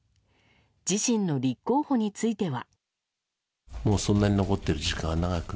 自身の立候補については。